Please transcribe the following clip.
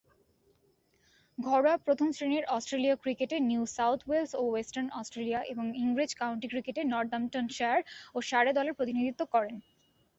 ঘরোয়া প্রথম-শ্রেণীর অস্ট্রেলীয় ক্রিকেটে নিউ সাউথ ওয়েলস ও ওয়েস্টার্ন অস্ট্রেলিয়া এবং ইংরেজ কাউন্টি ক্রিকেটে নর্দাম্পটনশায়ার ও সারে দলের প্রতিনিধিত্ব করেন।